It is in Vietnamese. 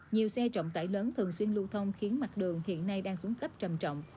nhiều xe trọng tải lớn thường xuyên lưu thông khiến mặt đường hiện nay đang xuống cấp trầm trọng